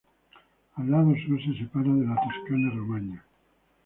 El lado sur se separa de la Toscana-Romaña.